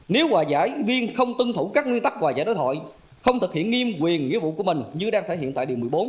nếu hòa giải viên không tân thủ các nguyên tắc hòa giải đối thoại không thực hiện nghiêm quyền nghĩa vụ của mình như đang thể hiện tại điều một mươi bốn